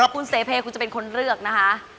คุณเสเพคุณจะเป็นคนเลือกนะคะ